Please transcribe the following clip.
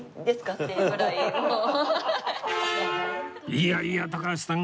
いやいや高橋さん